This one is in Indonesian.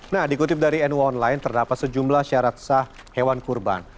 nah dikutip dari nu online terdapat sejumlah syarat sah hewan kurban